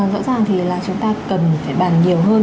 rõ ràng thì là chúng ta cần phải bàn nhiều hơn